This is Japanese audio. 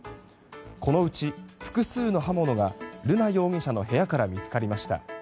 このうち、複数の刃物が瑠奈容疑者の部屋から見つかりました。